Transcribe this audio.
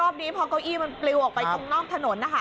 นี้พอเก้าอี้มันปลิวออกไปตรงนอกถนนนะคะ